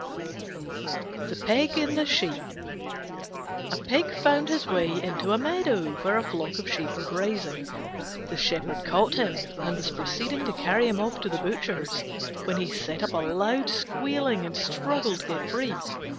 THE PIG AND THE SHEEP A Pig found his way into a meadow where a flock of Sheep were grazing. The shepherd caught him, and was proceeding to carry him off to the butcher's when he set up a loud squealing and struggled to get free.